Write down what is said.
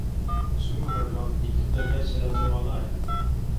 چوومە مەتبەخ، دیتم دەرگای سەلاجە واڵایە.